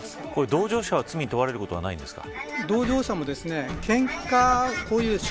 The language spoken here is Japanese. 同乗者は罪に問われることはないですか。